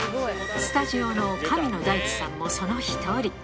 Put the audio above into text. スタジオの神野大地さんもその一人。